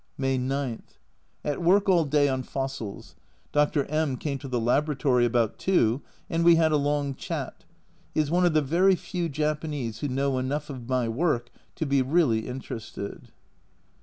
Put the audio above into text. May 9. At work all day on fossils. Dr. M came to the laboratory about 2, and we had a long chat ; he is one of the very few Japanese who know enough of my work to be really interested.